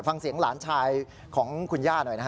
ฟังเสียงหลานชายของคุณย่าหน่อยนะฮะ